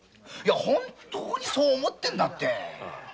本当にそう思ってるんだって。